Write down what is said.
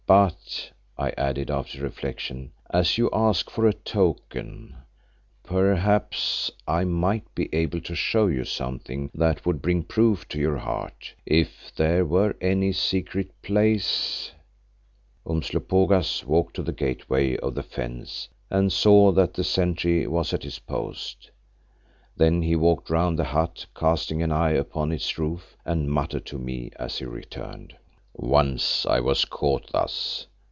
But," I added after reflection, "as you ask for a token, perhaps I might be able to show you something that would bring proof to your heart, if there were any secret place——" Umslopogaas walked to the gateway of the fence and saw that the sentry was at his post. Then he walked round the hut casting an eye upon its roof, and muttered to me as he returned. "Once I was caught thus.